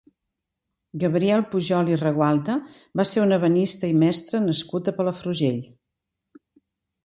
Gabriel Pujol i Regualta va ser un ebenista i mestre nascut a Palafrugell.